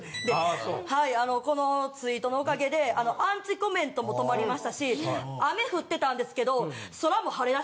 でこのツイートのおかげでアンチコメントも止まりましたし雨降ってたんですけど。